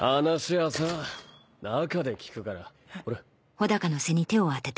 話はさ中で聞くからほら。